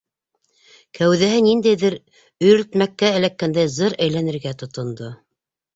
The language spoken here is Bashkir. Кәүҙәһе ниндәйҙер өйрөлтмәккә эләккәндәй зыр әйләнергә тотондо.